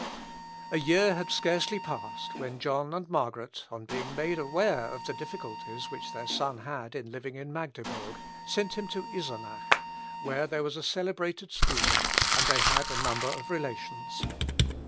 " Luth. Op. Walch. ii, 2347. A year had scarcely passed, when John and Margaret, on being made aware of the difficulties which their son had in living in Magdebourg, sent him to Isenach, where there was a celebrated school, and they had a number of relations.